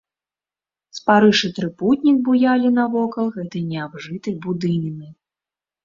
Спарыш і трыпутнік буялі навокал гэтай неабжытай будыніны.